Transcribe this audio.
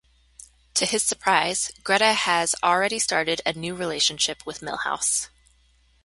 To his surprise, Greta has already started a new relationship with Milhouse.